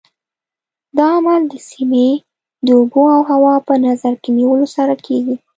دا عمل د سیمې د اوبو او هوا په نظر کې نیولو سره کېږي.